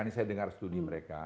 ini saya dengar studi mereka